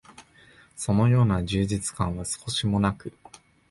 そのような充実感は少しも無く、